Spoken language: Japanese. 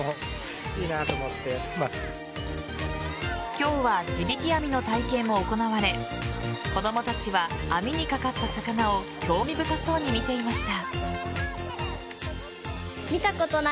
今日は地引き網の体験も行われ子供たちは網に掛かった魚を興味深そうに見ていました。